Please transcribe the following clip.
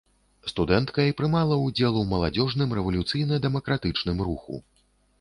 Студэнткай прымала ўдзел у маладзёжным рэвалюцыйна-дэмакратычным руху.